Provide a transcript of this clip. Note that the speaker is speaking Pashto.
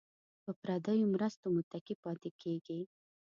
په پردیو مرستو متکي پاتې کیږي.